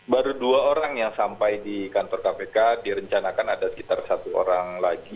baru dua orang yang sampai di kantor kpk direncanakan ada sekitar satu orang lagi